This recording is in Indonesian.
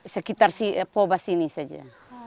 sekitar si poba sini saja